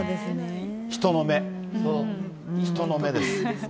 人の目、人の目です。